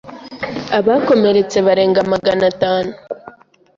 Abakomeretse barenga magana atanu.